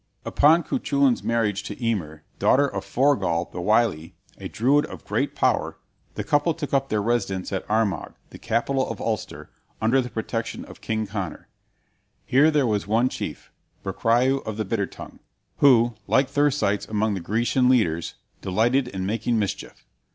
Upon Cuchulain's marriage to Emer, daughter of Forgall the Wily, a Druid of great power, the couple took up their residence at Armagh, the capital of Ulster, under the protection of King Conor. Here there was one chief, Bricriu of the Bitter Tongue, who, like Thersites among the Grecian leaders, delighted in making mischief.